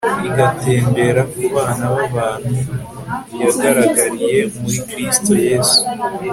igatembera ku bana babantu yagaragariye muri Kristo Yesu